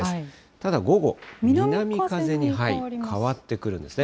ただ午後、南風に変わってくるんですね。